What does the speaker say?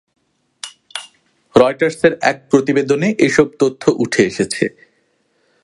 রয়টার্সের এক প্রতিবেদনে এসব তথ্য উঠে এসেছে।